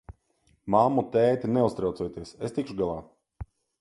Mammu, tēti, neuztraucieties, es tikšu galā!